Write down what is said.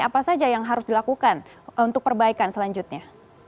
apa saja yang harus dilakukan untuk perbaikan selanjutnya